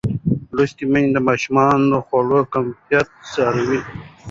لوستې میندې د ماشوم د خواړو کیفیت څاري.